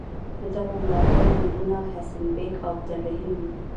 د دغو ملاتړو نومونه حسین بېګ او عبدالرحیم وو.